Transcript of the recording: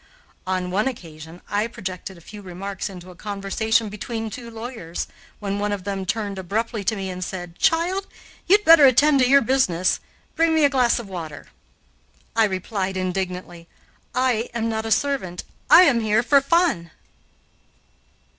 On one occasion I projected a few remarks into a conversation between two lawyers, when one of them turned abruptly to me and said, "Child, you'd better attend to your business; bring me a glass of water." I replied indignantly, "I am not a servant; I am here for fun."